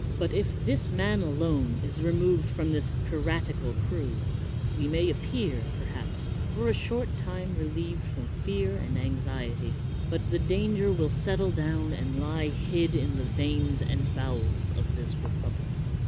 But if this man alone is removed from this piratical crew, we may appear, perhaps, for a short time relieved from fear and anxiety, but the danger will settle down and lie hid in the veins and bowels of the republic.